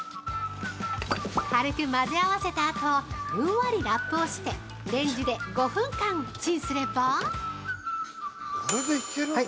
◆軽く混ぜ合わせたあとふんわりラップをしてレンジで５分間チンすれば◆はい！